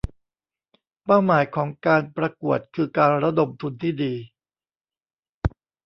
เป้าหมายของการประกวดคือการระดมทุนที่ดี